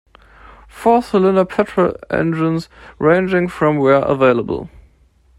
Four cylinder petrol engines ranging from were available.